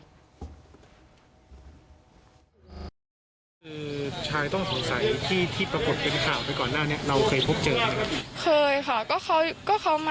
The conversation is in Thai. คือยุ่ชายต้องสงสัยที่ปรากฏฐานของเธอไปก่อนหน้านี้เราเคยเจอทำยังไง